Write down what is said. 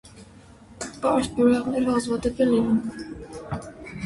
Պարզ բյուրեղներ հազվադեպ են լինում։